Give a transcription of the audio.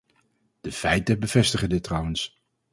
De feiten bevestigen dit trouwens.